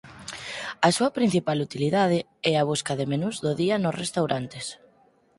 A súa principal utilidade é a busca de menús do día nos restaurantes.